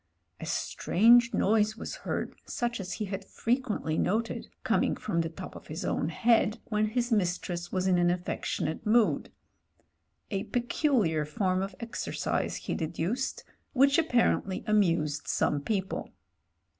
A strange noise was heard such as he had frequently noted, coming from the top of his own head, when his mistress was in an affectionate mood — a peculiar form of exercise he deduced, which apparently amused some people.